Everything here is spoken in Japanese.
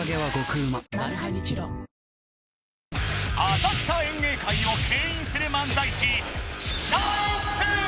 浅草演芸界を牽引する漫才師